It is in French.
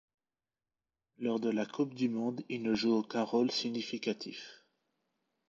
Lors de la Coupe du monde, il ne joue aucun rôle significatif.